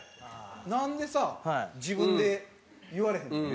なんでさ、自分で言われへんの？